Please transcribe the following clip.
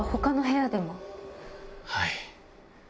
はい。